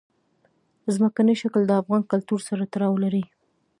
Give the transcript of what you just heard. ځمکنی شکل د افغان کلتور سره تړاو لري.